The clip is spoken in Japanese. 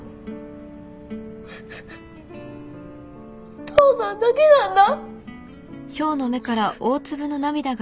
お父さんだけなんだ！